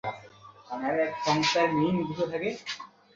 ও আমার নিজের ভাই!